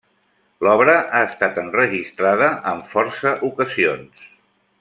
L'obra ha estat enregistrada en força ocasions.